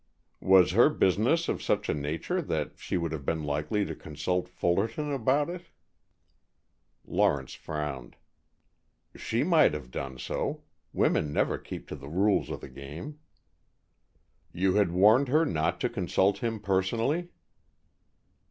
"Was her business of such a nature that she would have been likely to consult Fullerton about it?" Lawrence frowned. "She might have done so. Women never keep to the rules of the game." "You had warned her not to consult him personally?"